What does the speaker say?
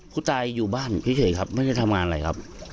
ผู้ตายอยู่บ้านเฉยครับไม่ได้ทำงานอะไรครับ